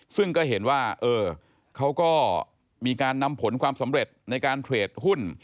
ซึ่งก็เห็นว่าเขาก็มีการนำผลความสำเร็จในการเทรดหุ้น